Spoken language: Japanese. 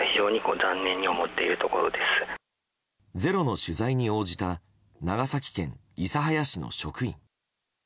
「ｚｅｒｏ」の取材に応じた長崎県諫早市の職員。